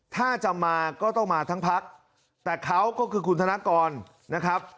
ถ้าจะมาก็ต้องมาทั้งพักแต่เขาก็คือคุณธนกรนะครับ